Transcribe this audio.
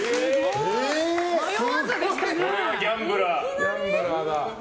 ギャンブラーだ。